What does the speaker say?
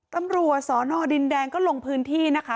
ตำรวจสอนอดินแดงก็ลงพื้นที่นะคะ